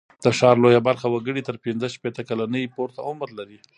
د ښار لویه برخه وګړي تر پینځه شپېته کلنۍ پورته عمر لري.